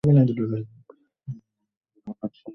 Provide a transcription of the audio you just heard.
কি হয়, নায়না?